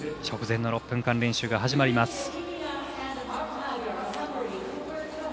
直前の６分間練習が始まります。